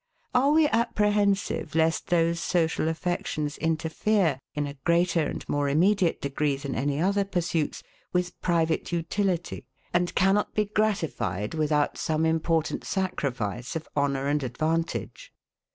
Are we apprehensive lest those social affections interfere, in a greater and more immediate degree than any other pursuits, with private utility, and cannot be gratified, without some important sacrifice of honour and advantage?